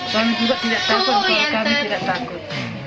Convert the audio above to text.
suami juga tidak takut keluarga kami tidak takut